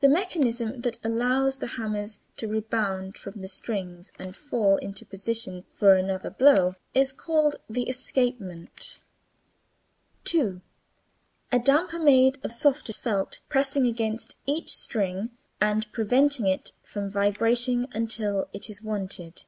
The mechanism that allows the hammers to rebound from the strings and fall into position for another blow is called the escapement. 2. A damper (made of softer felt) pressing against each string and preventing it from vibrating until it is wanted.